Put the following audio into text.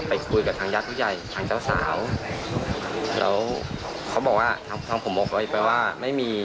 ไปคุยกับทางญาติผู้ใหญ่ทางเจ้าสาวแล้วเขาบอกว่าทางทางผมบอกไว้ไปว่าไม่มี